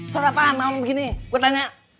salat apaan malem begini gue tanya